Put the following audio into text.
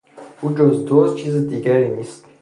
او جز دزد چیز دیگری نیست.